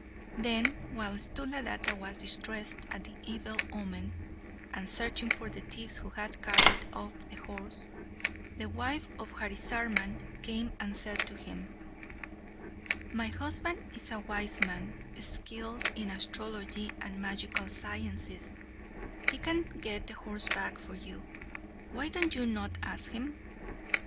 Then, while Sthuladatta was distressed at the evil omen, and searching for the thieves who had carried off the horse, the wife of Harisarman came and said to him, "My husband is a wise man, skilled in astrology and magical sciences; he can get the horse back for you; why do you not ask him?"